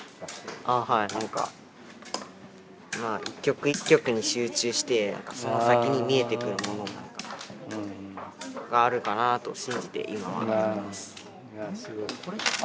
ああはいまあ一局一局に集中してその先に見えてくるものがあるかなと信じて今はやってます。